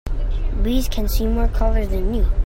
Bees can see more colors than you.